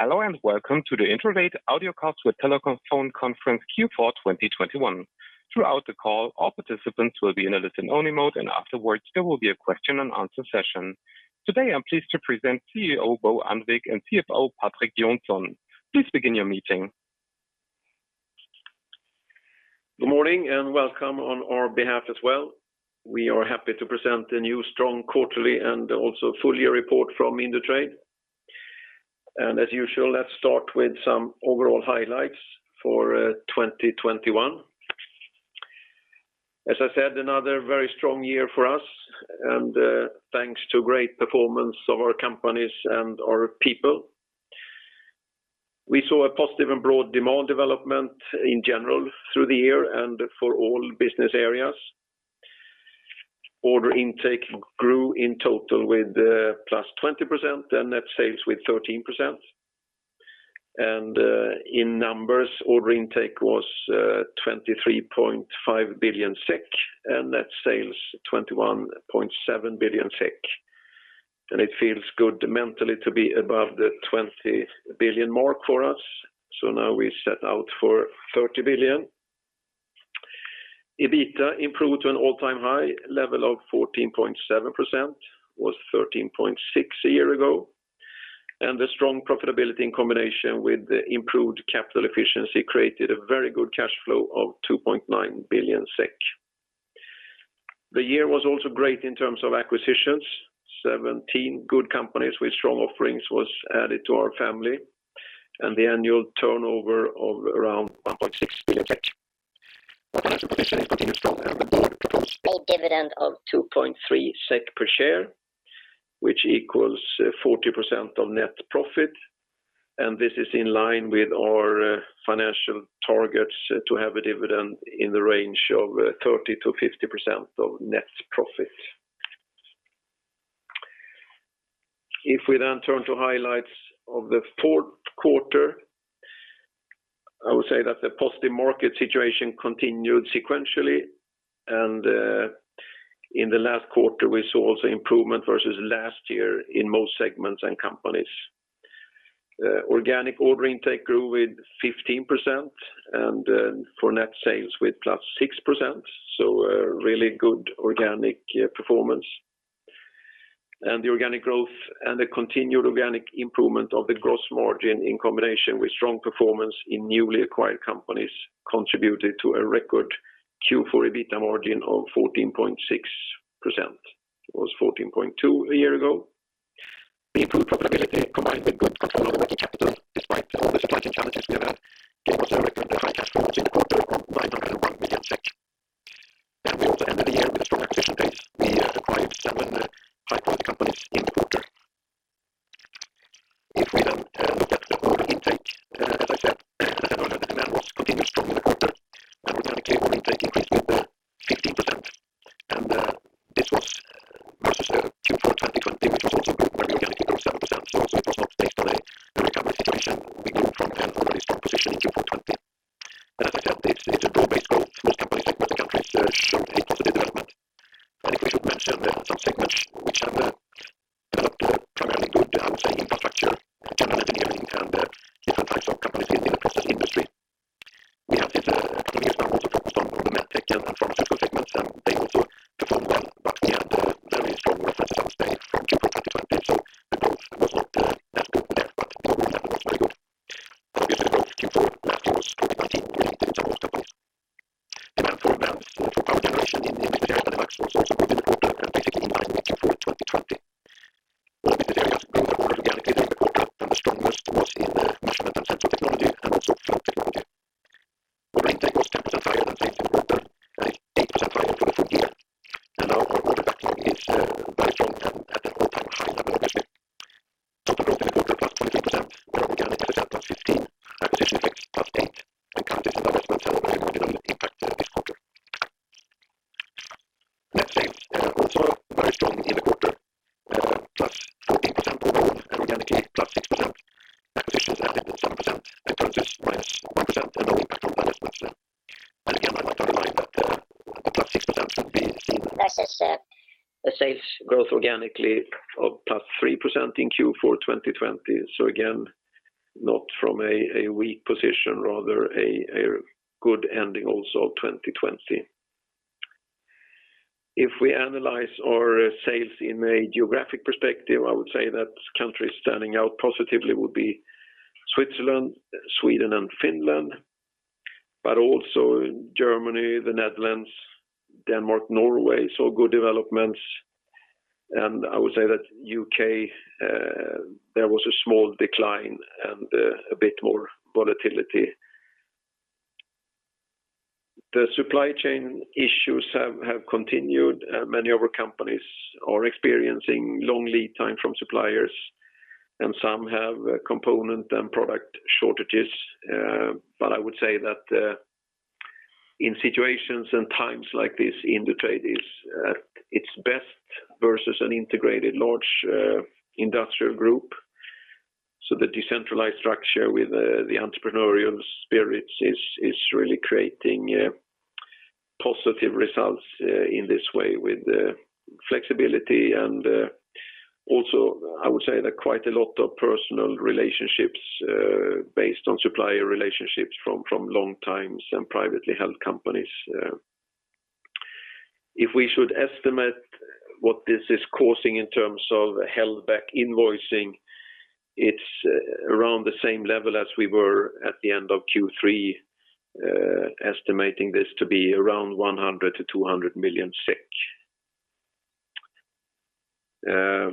Hello, and welcome to the Indutrade audiocast with teleconference Q4 2021. Throughout the call, all participants will be in a listen-only mode, and afterwards, there will be a question and answer session. Today, I'm pleased to present CEO, Bo Annvik and CFO, Patrik Johnson. Please begin your meeting. Good morning, and welcome on our behalf as well. We are happy to present a new strong quarterly and also full year report from Indutrade. As usual, let's start with some overall highlights for 2021. As I said, another very strong year for us, thanks to great performance of our companies and our people. We saw a positive and broad demand development in general through the year and for all business areas. Order intake grew in total with +20% and net sales with 13%. In numbers, order intake was 23.5 billion SEK, and net sales 21.7 billion SEK. It feels good mentally to be above the 20 billion mark for us. Now we set out for 30 billion. EBITDA improved to an all-time high level of 14.7%, was 13.6% a year ago. The strong profitability in combination with the improved capital efficiency created a very good cash flow of 2.9 billion SEK. The year was also great in terms of acquisitions. 17 good companies with strong offerings was added to our family, and the annual turnover of around 1.6 billion. Our financial position is continued strong, and the board proposed a dividend of 2.3 SEK per share, which equals 40% of net profit. This is in line with our financial targets to have a dividend in the range of 30%-50% of net profit. If we turn to highlights of the fourth quarter, I would say that the positive market situation continued sequentially. In the last quarter, we saw also improvement versus last year in most segments and companies. Organic order intake grew with 15% and for net sales with +6%. A really good organic performance. The organic growth and the continued organic improvement of the gross margin in combination with strong performance in newly acquired companies contributed to a record Q4 EBITDA margin of 14.6%. It was 14.2% a year ago. The improved profitability combined with good control of the working capital, despite all the supply chain challenges we have had, gave us a record and a high cash flow in the quarter of SEK 901 million. We also ended the year with a strong acquisition pace. We acquired seven high-quality companies in the quarter. If we then look at the order intake, as I said earlier, the demand was continued strong in the quarter, and organically, order intake increased with 15%. This was versus Q4 2020, which was also good where we organically grew 7%. It was not based on a recovery situation. I would say that U.K., there was a small decline and, a bit more volatility. The supply chain issues have continued. Many of our companies are experiencing long lead time from suppliers, and some have component and product shortages. But I would say that, in situations and times like this, Indutrade is at its best versus an integrated large, industrial group. The decentralized structure with, the entrepreneurial spirits is, really creating, positive results, in this way with the flexibility and, also I would say that quite a lot of personal relationships, based on supplier relationships from, long times and privately held companies. If we should estimate what this is causing in terms of held back invoicing, it's around the same level as we were at the end of Q3, estimating this to be around 100 million-200 million. Yeah,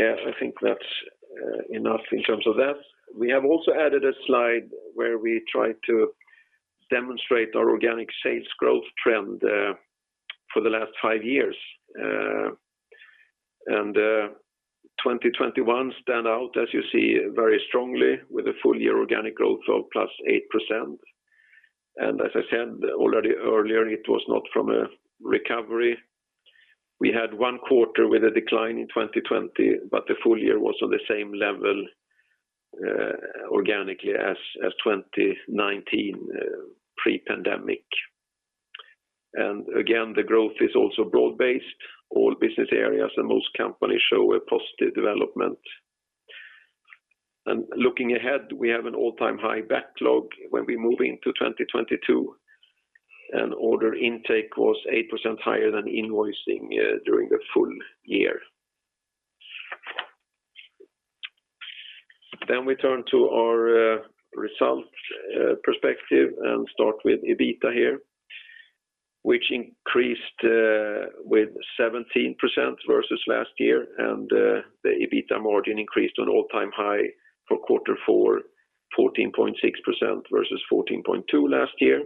I think that's enough in terms of that. We have also added a slide where we try to demonstrate our organic sales growth trend for the last five years. 2021 stand out as you see very strongly with a full year organic growth of +8%. As I said already earlier, it was not from a recovery. We had one quarter with a decline in 2020, but the full year was on the same level organically as 2019 pre-pandemic. Again, the growth is also broad-based. All business areas and most companies show a positive development. Looking ahead, we have an all-time high backlog when we move into 2022, and order intake was 8% higher than invoicing during the full year. We turn to our results perspective and start with EBITDA here, which increased with 17% versus last year. The EBITDA margin increased on all-time high for quarter four, 14.6% versus 14.2 last year.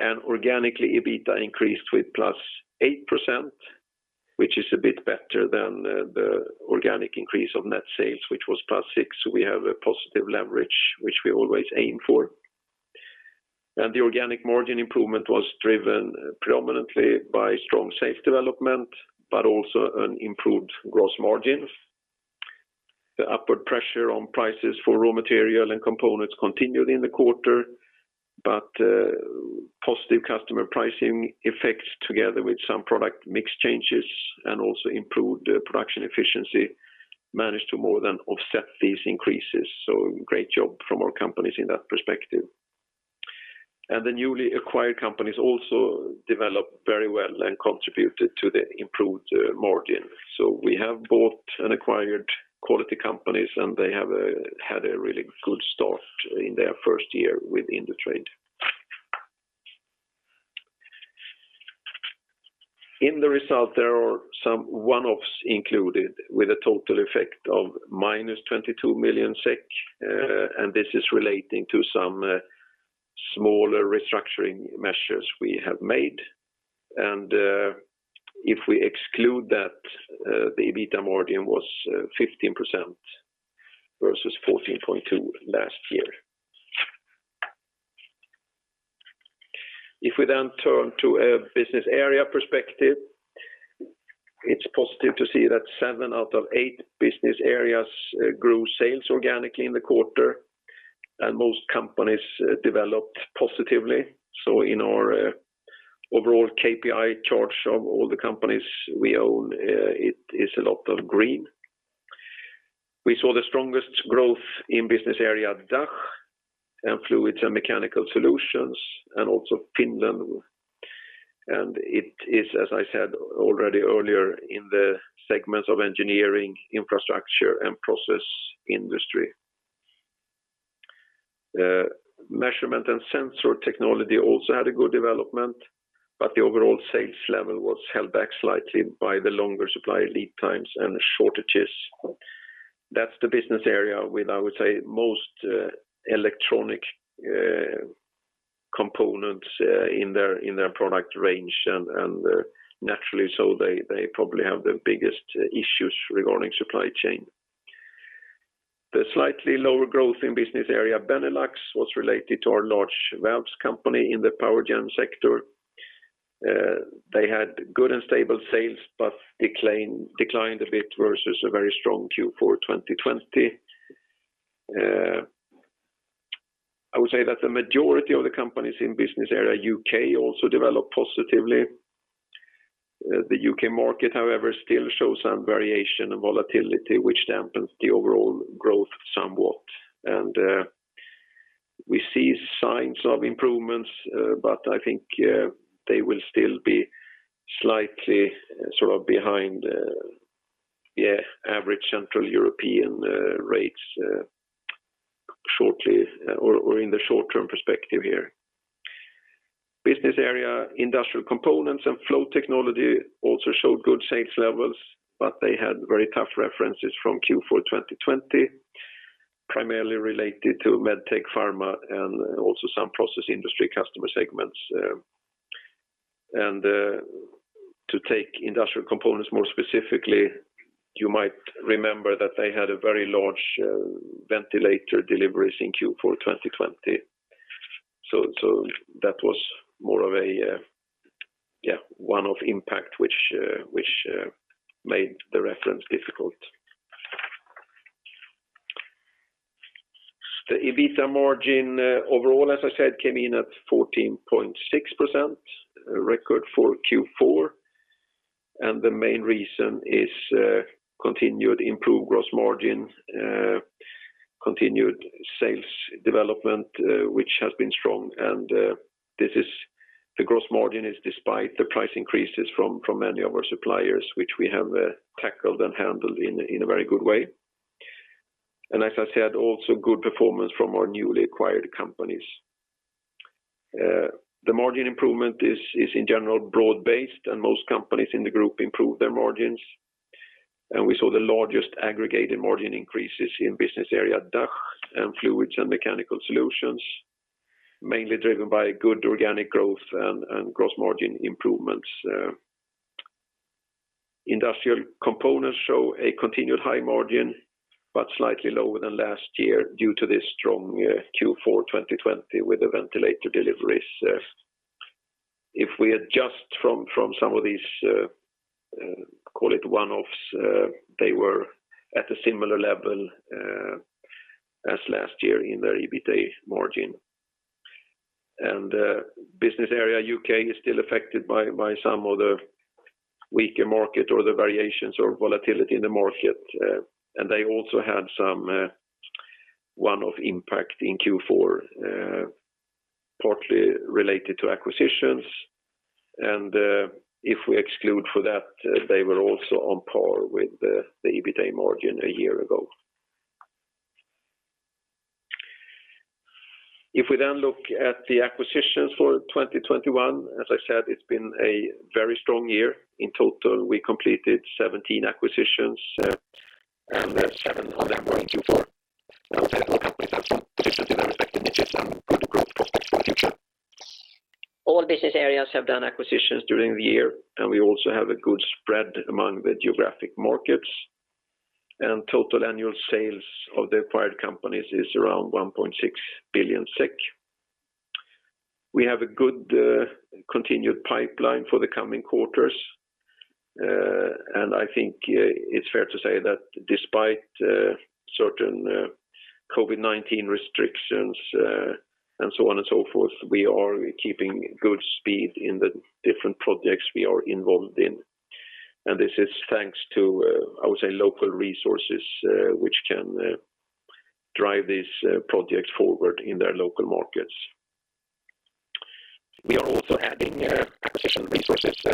Organically, EBITDA increased with +8%, which is a bit better than the organic increase of net sales, which was +6%. We have a positive leverage, which we always aim for. The organic margin improvement was driven predominantly by strong sales development, but also an improved gross margins. The upward pressure on prices for raw material and components continued in the quarter, but positive customer pricing effects together with some product mix changes and also improved production efficiency managed to more than offset these increases. Great job from our companies in that perspective. The newly acquired companies also developed very well and contributed to the improved margin. We have bought and acquired quality companies, and they have had a really good start in their first year with Indutrade. In the result, there are some one-offs included with a total effect of -22 million SEK, and this is relating to some smaller restructuring measures we have made. If we exclude that, the EBITDA margin was 15% versus 14.2% last year. If we then turn to a business area perspective, it's positive to see that seven out of eight business areas grew sales organically in the quarter, and most companies developed positively. In our overall KPI charts of all the companies we own, it is a lot of green. We saw the strongest growth in business area DACH and Fluids & Mechanical Solutions and also Finland. It is, as I said already earlier, in the segments of engineering, infrastructure, and process industry. Measurement & Sensor Technology also had a good development, but the overall sales level was held back slightly by the longer supply lead times and shortages. That's the business area with, I would say, most electronic components in their product range. Naturally so they probably have the biggest issues regarding supply chain. The slightly lower growth in business area Benelux was related to our large valves company in the power gen sector. They had good and stable sales, but declined a bit versus a very strong Q4 2020. I would say that the majority of the companies in business area U.K. Also developed positively. The U.K. Market, however, still shows some variation and volatility, which dampens the overall growth somewhat. We see signs of improvements, but I think they will still be slightly sort of behind average Central European rates shortly or in the short term perspective here. Business area Industrial Components and Flow Technology also showed good sales levels, but they had very tough references from Q4 2020, primarily related to MedTech, pharma, and also some process industry customer segments. To take Industrial Components more specifically, you might remember that they had a very large ventilator deliveries in Q4 2020. That was more of a one-off impact which made the reference difficult. The EBITDA margin overall, as I said, came in at 14.6%, a record for Q4. The main reason is continued improved gross margin, continued sales development, which has been strong. The gross margin is despite the price increases from many of our suppliers, which we have tackled and handled in a very good way. As I said, also good performance from our newly acquired companies. The margin improvement is in general broad-based, and most companies in the group improve their margins. We saw the largest aggregated margin increases in business area DACH and Fluids & Mechanical Solutions, mainly driven by good organic growth and gross margin improvements. Industrial Components show a continued high margin, but slightly lower than last year due to this strong Q4 2020 with the ventilator deliveries. If we adjust from some of these, call it one-offs, they were at a similar level as last year in their EBITDA margin. Business area U.K. is still affected by some of the weaker market or the variations or volatility in the market. They also had some one-off impact in Q4, partly related to acquisitions. If we exclude for that, they were also on par with the EBITDA margin a year ago. If we then look at the acquisitions for 2021, as I said, it's been a very strong year. In total, we completed 17 acquisitions, and seven of them were in Q4. I would say that all companies have some positions in their respective niches and good growth prospects for the future. All business areas have done acquisitions during the year, and we also have a good spread among the geographic markets. Total annual sales of the acquired companies is around 1.6 billion SEK. We have a good continued pipeline for the coming quarters. I think it's fair to say that despite certain COVID-19 restrictions and so on and so forth, we are keeping good speed in the different projects we are involved in. This is thanks to, I would say, local resources, which can drive these projects forward in their local markets. We are also adding acquisition resources in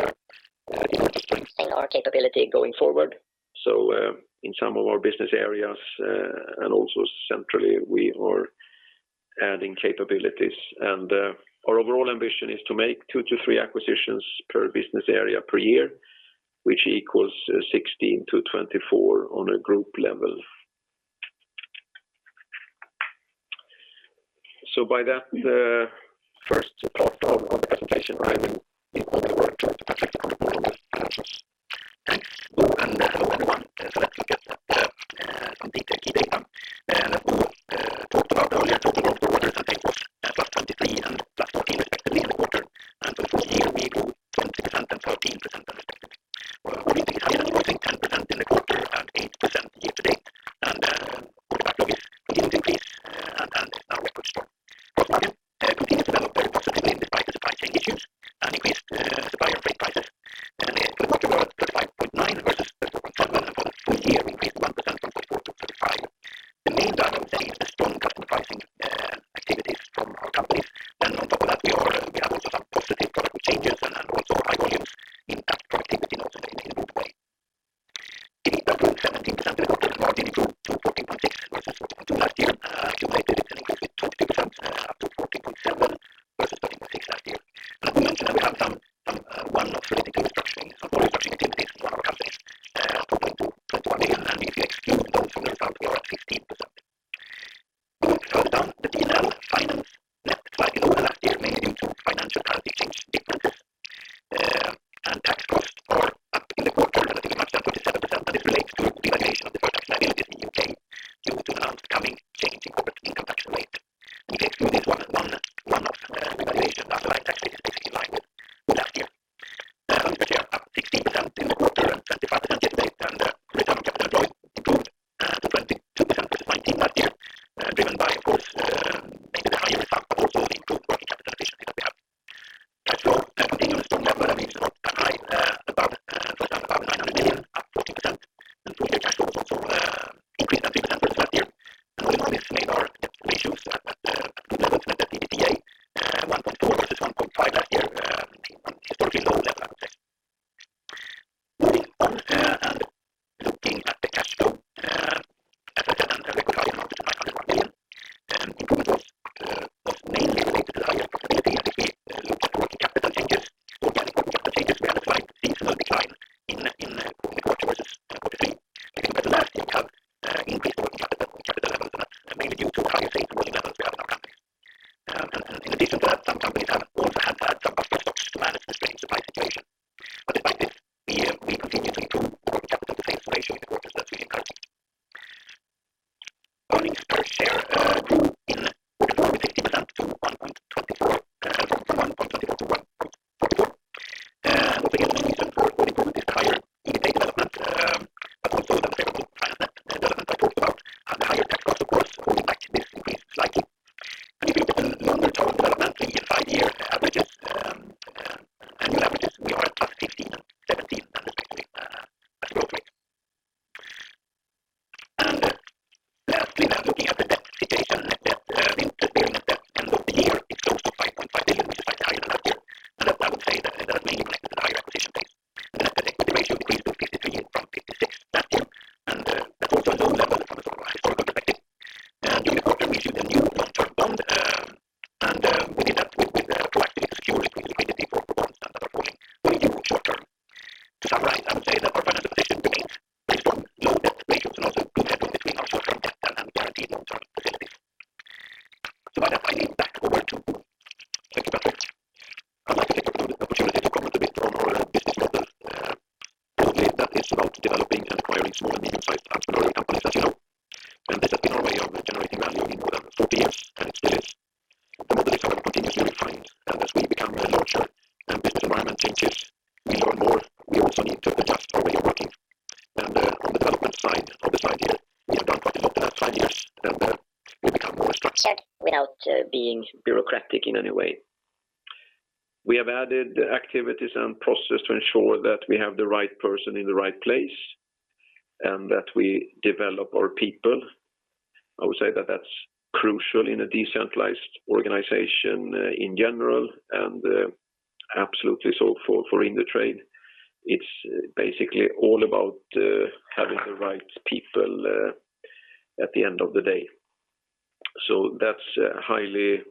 That's highly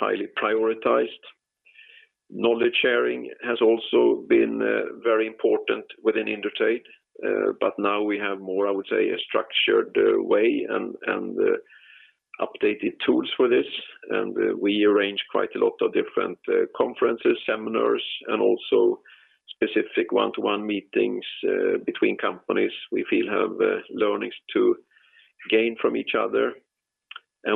prioritized. Knowledge sharing has also been very important within Indutrade, but now we have more, I would say, a structured way and updated tools for this. We arrange quite a lot of different conferences, seminars, and also specific one-to-one meetings between companies we feel have learnings to gain from each other.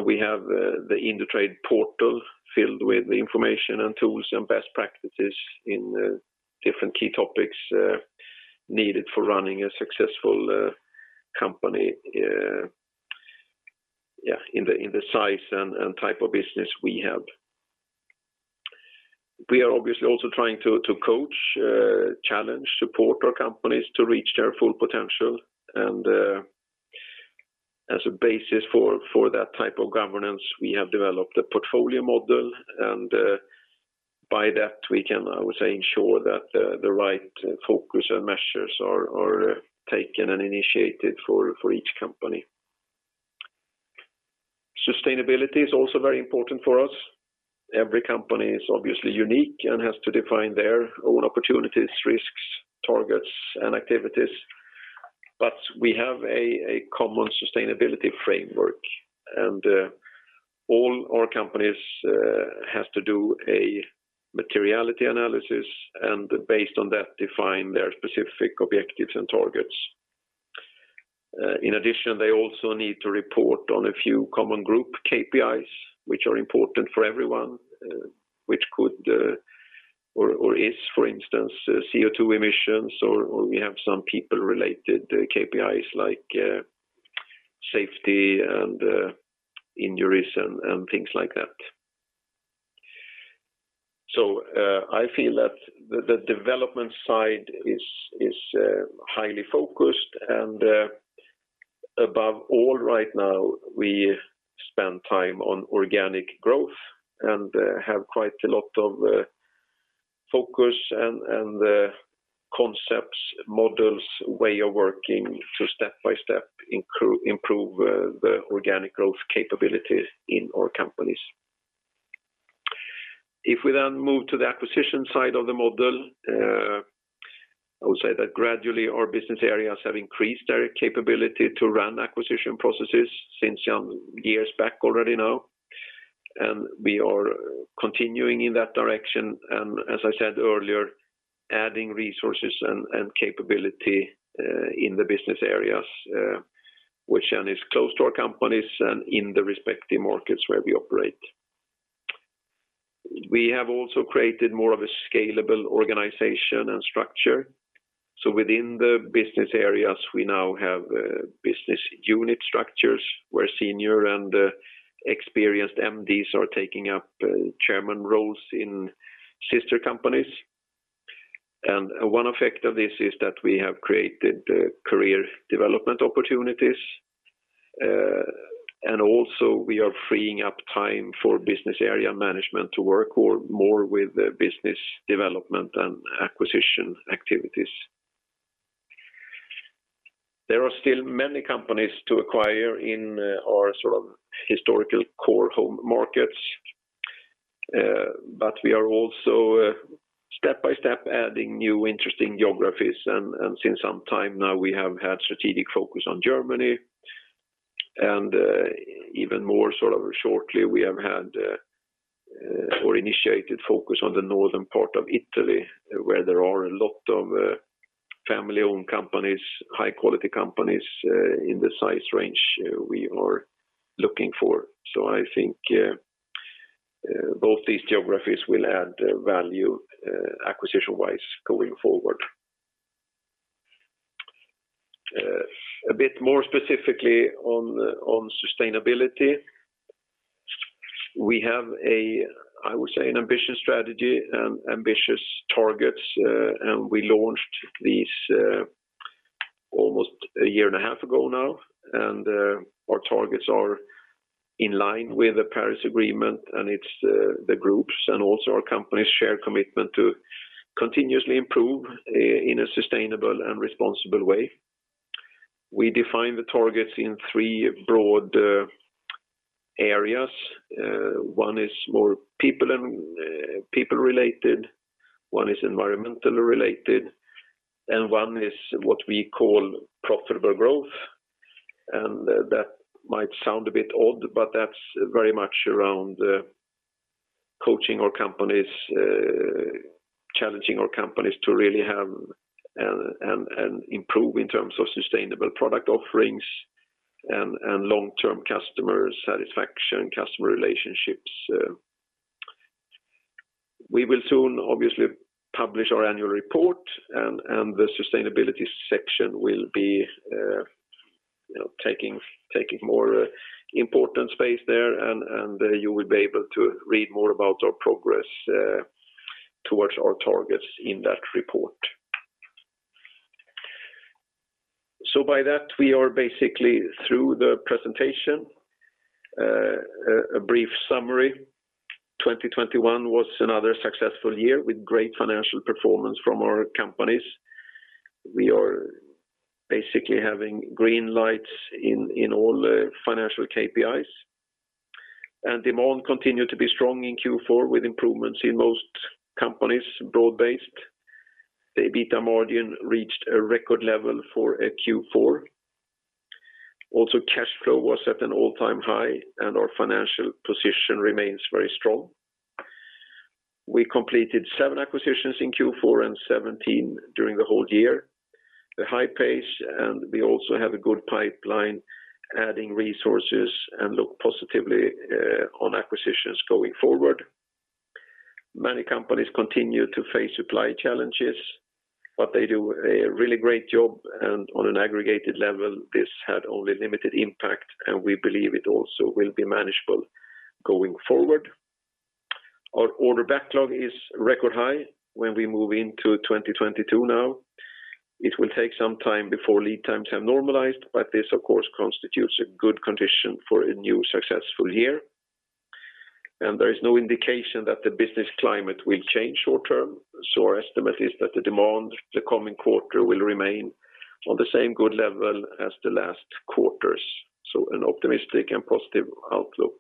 We have the Indutrade Portal filled with information and tools and best practices in different key topics needed for running a successful company in the size and type of business we have. We are obviously also trying to coach, challenge, support our companies to reach their full potential. As a basis for that type of governance, we have developed a portfolio model. By that, we can, I would say, ensure that the right focus and measures are taken and initiated for each company. Sustainability is also very important for us. Every company is obviously unique and has to define their own opportunities, risks, targets, and activities. We have a common sustainability framework and all our companies has to do a materiality analysis and based on that, define their specific objectives and targets. In addition, they also need to report on a few common group KPIs, which are important for everyone, which could or is, for instance, CO2 emissions, or we have some people related KPIs like safety and injuries and things like that. I feel that the development side is highly focused and above all right now, we spend time on organic growth and have quite a lot of focus and concepts, models, way of working to step by step improve the organic growth capabilities in our companies. If we then move to the acquisition side of the model, I would say that gradually our business areas have increased their capability to run acquisition processes since some years back already now. We are continuing in that direction. As I said earlier, adding resources and capability in the business areas, which then is close to our companies and in the respective markets where we operate. We have also created more of a scalable organization and structure. Within the business areas, we now have business unit structures where senior and experienced MDs are taking up chairman roles in sister companies. One effect of this is that we have created career development opportunities. Also we are freeing up time for business area management to work more with business development and acquisition activities. There are still many companies to acquire in our sort of historical core home markets. We are also step by step adding new interesting geographies. Since some time now, we have had strategic focus on Germany. Even more sort of shortly, we have had or initiated focus on the northern part of Italy, where there are a lot of family-owned companies, high-quality companies in the size range we are looking for. I think both these geographies will add value acquisition-wise going forward. A bit more specifically on sustainability, we have, I would say, an ambitious strategy and ambitious targets, and we launched these almost a year and a half ago now. Our targets are in line with the Paris Agreement, and it's the groups and also our company's shared commitment to continuously improve in a sustainable and responsible way. We define the targets in three broad areas. One is more people and people related, one is environmentally related, and one is what we call profitable growth. That might sound a bit odd, but that's very much around coaching our companies, challenging our companies to really have and improve in terms of sustainable product offerings and long-term customer satisfaction, customer relationships. We will soon obviously publish our annual report and the sustainability section will be, you know, taking more important space there and you will be able to read more about our progress towards our targets in that report. By that, we are basically through the presentation. A brief summary. 2021 was another successful year with great financial performance from our companies. We are basically having green lights in all the financial KPIs. Demand continued to be strong in Q4 with improvements in most companies broad-based. The EBITDA margin reached a record level for a Q4. Also, cash flow was at an all-time high, and our financial position remains very strong. We completed seven acquisitions in Q4 and 17 during the whole year, a high pace, and we also have a good pipeline adding resources and look positively on acquisitions going forward. Many companies continue to face supply challenges, but they do a really great job, and on an aggregated level, this had only limited impact, and we believe it also will be manageable going forward. Our order backlog is record high when we move into 2022 now. It will take some time before lead times have normalized, but this of course constitutes a good condition for a new successful year. There is no indication that the business climate will change short-term, so our estimate is that the demand the coming quarter will remain on the same good level as the last quarters. An optimistic and positive outlook.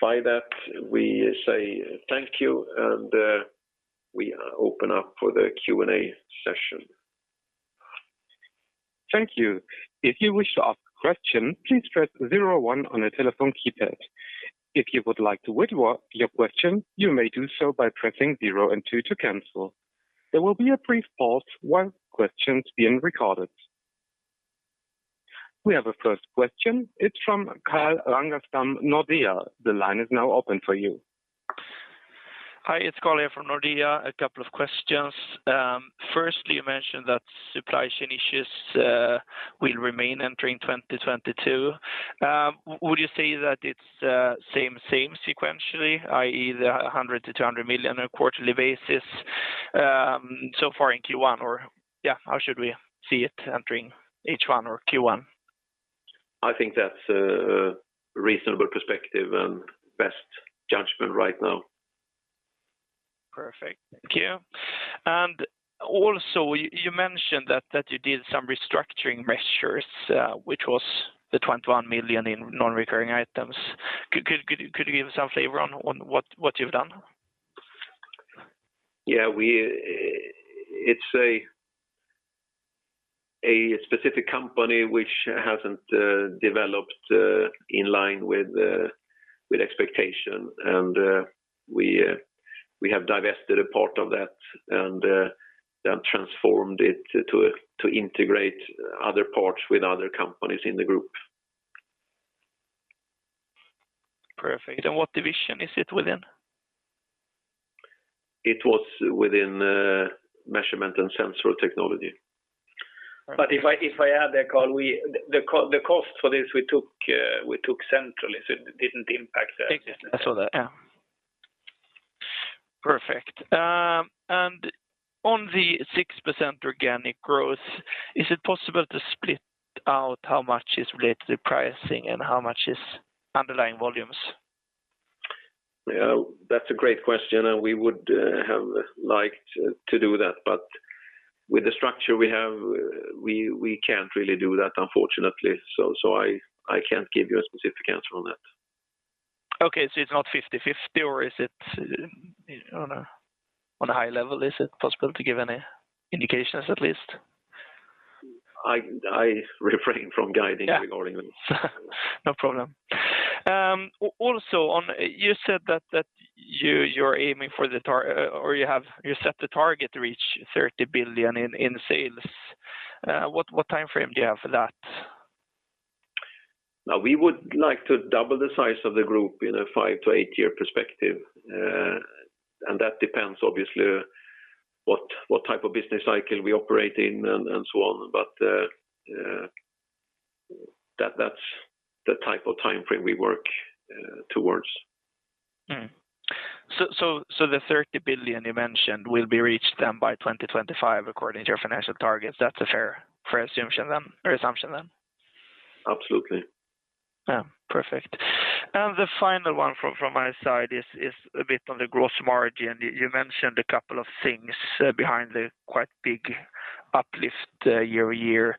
With that, we say thank you, and we open up for the Q&A session. Thank you. If you wish to ask a question, please press zero one on your telephone keypad. If you would like to withdraw your question, you may do so by pressing zero and two to cancel. There will be a brief pause while question's being recorded. We have a first question. It's from Carl Ragnerstam, Nordea. The line is now open for you. Hi, it's Carl here from Nordea. A couple of questions. Firstly, you mentioned that supply chain issues will remain entering 2022. Would you say that it's same sequentially, i.e., the 100 million-200 million on a quarterly basis so far in Q1? Or, yeah, how should we see it entering H1 or Q1? I think that's a reasonable perspective and best judgment right now. Perfect. Thank you. Also, you mentioned that you did some restructuring measures, which was the 21 million in non-recurring items. Could you give some flavor on what you've done? Yeah. It's a specific company which hasn't developed in line with expectation. We have divested a part of that and then transformed it to integrate other parts with other companies in the group. Perfect. What division is it within? It was within Measurement & Sensor Technology. If I add there, Carl, we took the cost for this centrally, so it didn't impact the- I saw that, yeah. Perfect. On the 6% organic growth, is it possible to split out how much is related to pricing and how much is underlying volumes? Yeah. That's a great question, and we would have liked to do that. But with the structure we have, we can't really do that, unfortunately. I can't give you a specific answer on that. Okay. It's not 50-50, or is it? On a high level, is it possible to give any indications at least? I refrain from guiding regarding that. Yeah. No problem. You said that you are aiming for the target or you set the target to reach 30 billion in sales. What time frame do you have for that? Now, we would like to double the size of the group in a five to eight-year perspective. That depends obviously on what type of business cycle we operate in and so on. That's the type of time frame we work towards. The 30 billion you mentioned will be reached then by 2025 according to your financial targets. That's a fair assumption then, or assumption then? Absolutely. Yeah. Perfect. The final one from my side is a bit on the gross margin. You mentioned a couple of things behind the quite big uplift year-over-year.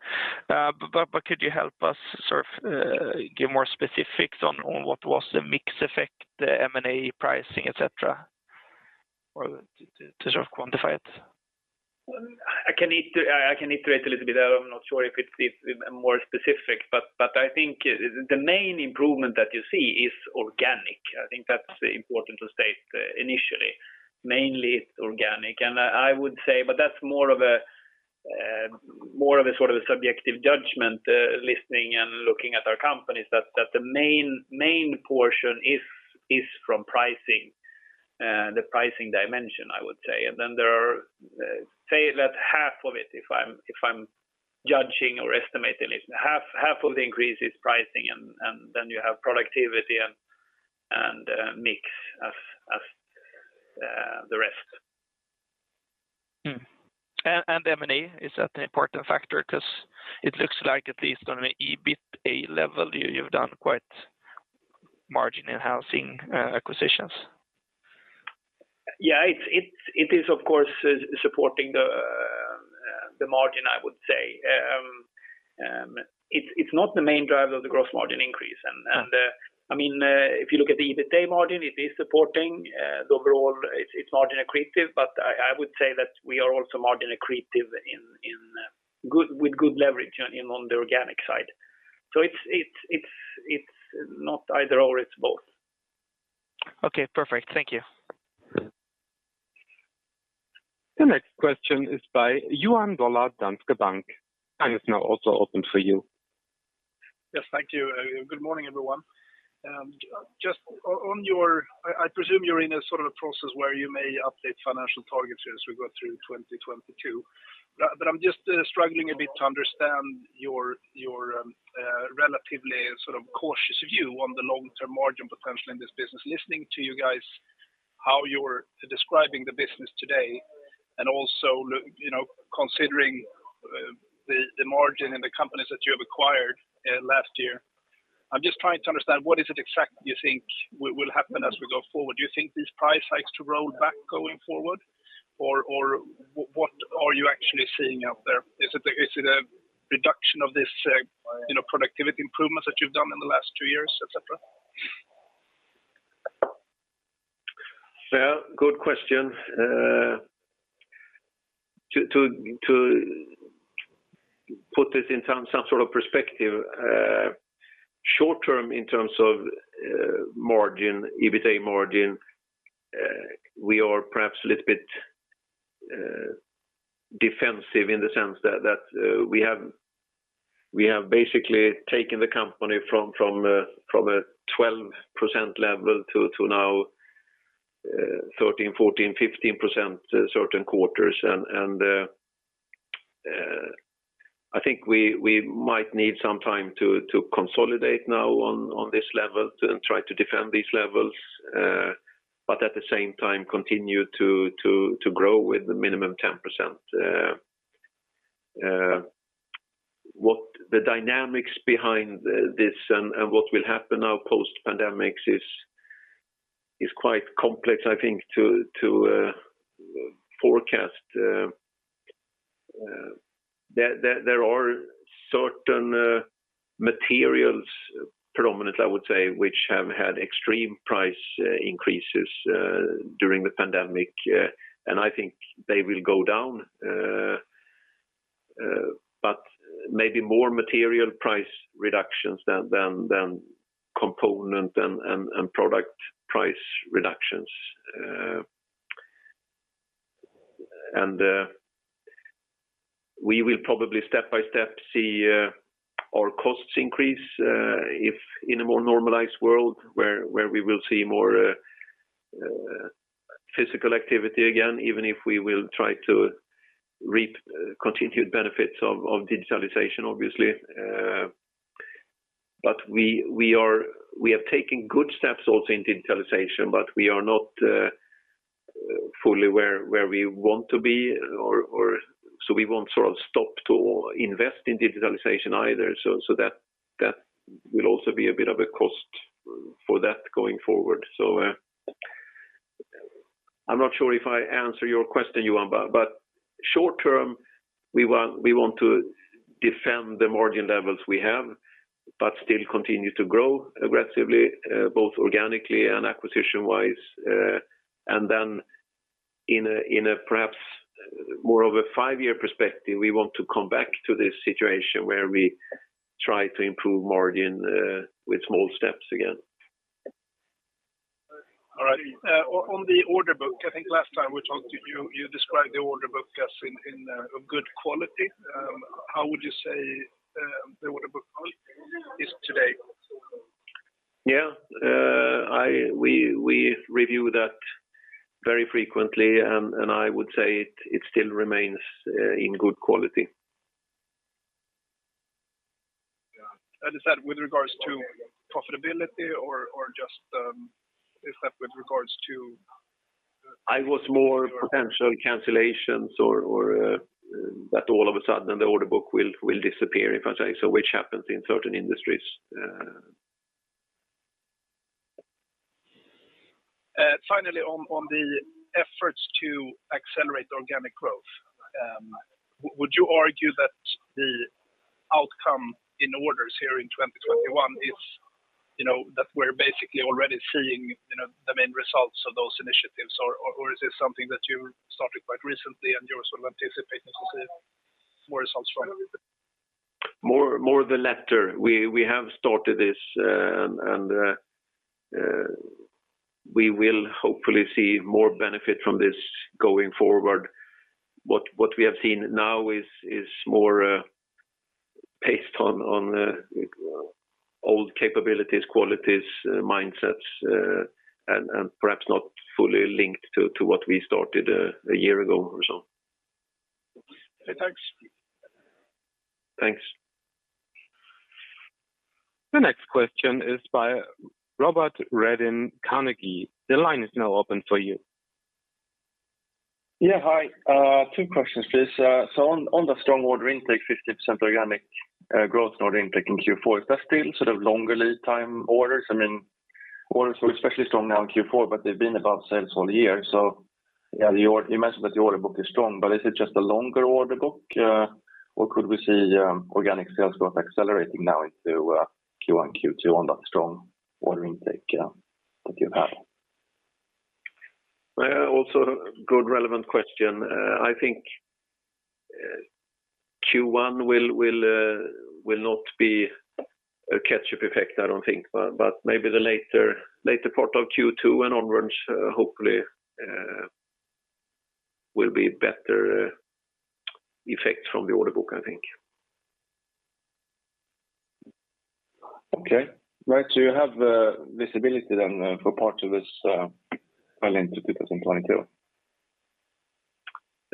Could you help us sort of give more specifics on what was the mix effect, the M&A pricing, et cetera, or to sort of quantify it? I can iterate a little bit. I'm not sure if it's more specific, but I think the main improvement that you see is organic. I think that's important to state initially. Mainly it's organic. That's more of a sort of a subjective judgment, listening and looking at our companies that the main portion is from pricing, the pricing dimension, I would say. Then there are, say that half of it, if I'm judging or estimating it, half of the increase is pricing and mix as the rest. M&A, is that an important factor? Because it looks like at least on an EBITDA level, you've done quite margin-enhancing acquisitions. Yeah. It's of course supporting the margin, I would say. It's not the main driver of the gross margin increase. I mean, if you look at the EBITDA margin, it is supporting the overall. It's margin accretive. I would say that we are also margin accretive with good leverage on the organic side. It's not either or, it's both. Okay. Perfect. Thank you. The next question is by Johan Dahl, Danske Bank. The line is now also open for you. Yes. Thank you. Good morning, everyone. Just on your I presume you're in a sort of a process where you may update financial targets as we go through 2022. I'm just struggling a bit to understand your relatively sort of cautious view on the long-term margin potential in this business. Listening to you guys, how you're describing the business today, and also you know, considering the margin in the companies that you have acquired last year. I'm just trying to understand what is it exactly you think will happen as we go forward. Do you think these price hikes to roll back going forward? Or what are you actually seeing out there? Is it a reduction of this you know productivity improvements that you've done in the last two years, et cetera? Well, good question. To put this in some sort of perspective, short term in terms of margin, EBITDA margin, we are perhaps a little bit defensive in the sense that we have basically taken the company from a 12% level to now 13%, 14%, 15% certain quarters. I think we might need some time to consolidate now on this level to try to defend these levels, but at the same time continue to grow with a minimum 10%. What the dynamics behind this and what will happen now post-pandemic is quite complex, I think, to forecast. There are certain materials predominant, I would say, which have had extreme price increases during the pandemic. I think they will go down, but maybe more material price reductions than component and product price reductions. We will probably step by step see our costs increase if in a more normalized world where we will see more physical activity again, even if we will try to reap continued benefits of digitalization obviously. We have taken good steps also in digitalization, but we are not fully where we want to be. We won't sort of stop to invest in digitalization either. That will also be a bit of a cost for that going forward. I'm not sure if I answered your question, Johan, but short term, we want to defend the margin levels we have, but still continue to grow aggressively, both organically and acquisition-wise. In a perhaps more of a five-year perspective, we want to come back to this situation where we try to improve margin with small steps again. All right. On the order book, I think last time we talked to you described the order book as in a good quality. How would you say the order book quality is today? Yeah. We review that very frequently, and I would say it still remains in good quality. Yeah. Is that with regards to profitability or just is that with regards to- I was more potential cancellations or that all of a sudden the order book will disappear if I say so, which happens in certain industries. Finally, on the efforts to accelerate organic growth, would you argue that the outcome in orders here in 2021 is, you know, that we're basically already seeing, you know, the main results of those initiatives? Or is this something that you started quite recently, and you're sort of anticipating to see more results from it? More the latter. We have started this and we will hopefully see more benefit from this going forward. What we have seen now is more based on old capabilities, qualities, mindsets and perhaps not fully linked to what we started a year ago or so. Okay, thanks. Thanks. The next question is by Robert Redin Carnegie. The line is now open for you. Yeah, hi. Two questions, please. On the strong order intake, 50% organic growth order intake in Q4, is that still sort of longer lead time orders? I mean, orders were especially strong now in Q4, but they've been above sales all year. Yeah, you mentioned that the order book is strong, but is it just a longer order book? Or could we see organic sales growth accelerating now into Q1, Q2 on that strong order intake that you have? Also, good relevant question. I think Q1 will not be a catch-up effect, I don't think. Maybe the later part of Q2 and onwards, hopefully, will be better effect from the order book, I think. Okay. Right. You have visibility then for part of this well into 2022.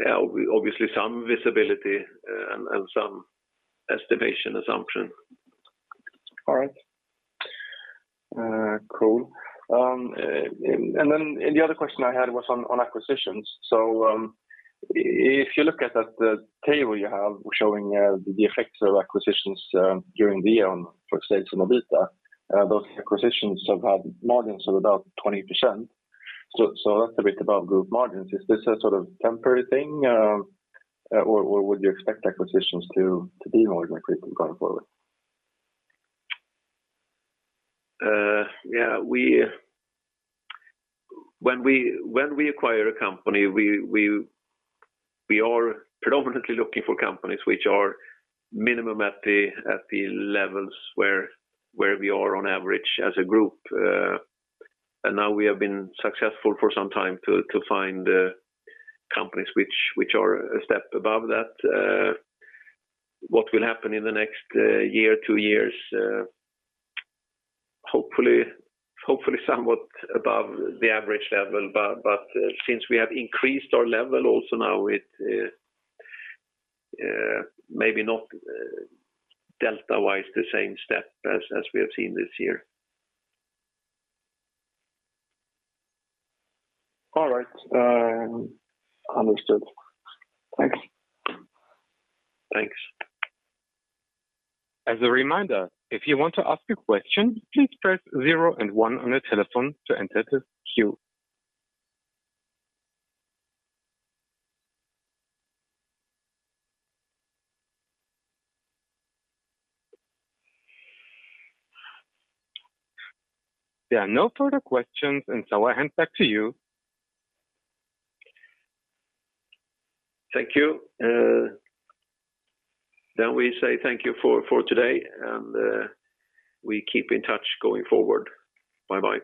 Yeah. Obviously some visibility, and some estimation assumption. All right. Cool. The other question I had was on acquisitions. If you look at that table you have showing the effects of acquisitions during the year on, for example, EBITDA, those acquisitions have had margins of about 20%. That's a bit above group margins. Is this a sort of temporary thing? Or would you expect acquisitions to be more like this going forward? When we acquire a company, we are predominantly looking for companies which are minimum at the levels where we are on average as a group. Now we have been successful for some time to find companies which are a step above that. What will happen in the next year, two years? Hopefully somewhat above the average level. Since we have increased our level also now with maybe not delta-wise the same step as we have seen this year. All right. Understood. Thanks. Thanks. As a reminder, if you want to ask a question, please press zero and one on your telephone to enter the queue. There are no further questions, and so I hand back to you. Thank you. We say thank you for today, and we keep in touch going forward. Bye-bye.